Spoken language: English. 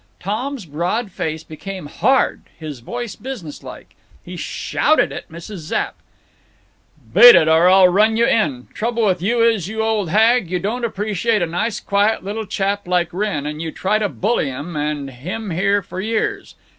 Tom's broad face became hard, his voice businesslike. He shouted at Mrs. Zapp: "Beat it or I'll run you in. Trouble with you is, you old hag, you don't appreciate a nice quiet little chap like Wrenn, and you try to bully him—and him here for years.